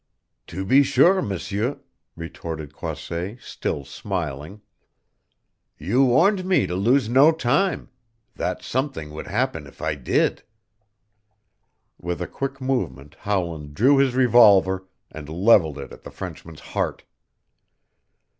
"To be sure, M'seur," retorted Croisset, still smiling. "You warned me to lose no time that something would happen if I did." With a quick movement Howland drew his revolver and leveled it at the Frenchman's heart.